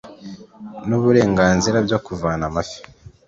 n uburenganzira byo kuvana amafi